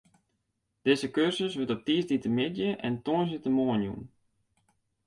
Dizze kursus wurdt op tiisdeitemiddei en tongersdeitemoarn jûn.